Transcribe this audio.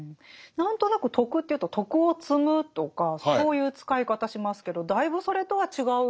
何となく徳というと徳を積むとかそういう使い方しますけどだいぶそれとは違う。